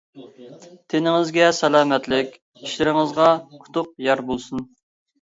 تېنىڭىزگە سالامەتلىك، ئىشلىرىڭىزغا ئۇتۇق يار بولسۇن!